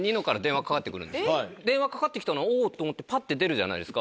電話かかってきたなおぉと思ってぱって出るじゃないですか。